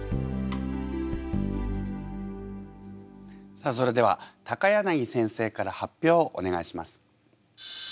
さあそれでは柳先生から発表をお願いします。